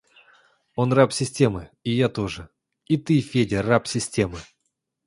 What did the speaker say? Он раб системы и я тоже. И ты, Федя, раб системы.